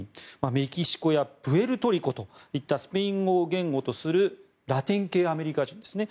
メキシコやプエルトリコといったスペイン語を言語とするラテン系アメリカ人ですね。